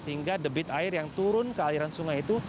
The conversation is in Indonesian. sehingga debit air yang turun ke aliran sungai itu